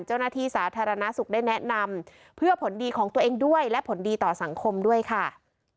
เจ้าหน้าที่สาธารณสุขได้แนะนำเพื่อผลดีของตัวเองด้วยและผลดีต่อสังคมด้วยค่ะ